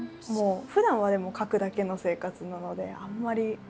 ふだんはでも書くだけの生活なのであんまり。